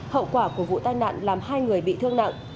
hậu quả của vụ tai nạn làm hai người bị thương nặng